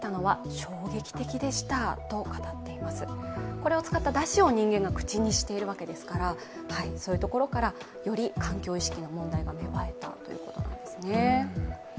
これを使っただしを人間が口にしているわけですから、そういうところから、より環境意識の問題が芽生えたということなんですね。